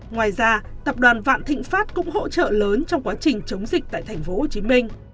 ngoài ra tập đoàn vạn thịnh pháp cũng hỗ trợ lớn trong quá trình chống dịch tại tp hcm